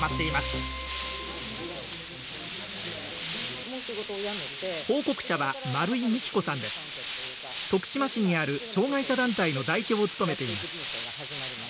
徳島市にある障害者団体の代表を務めています。